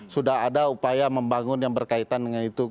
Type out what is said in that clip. sudah ada upaya membangun yang berkaitan dengan itu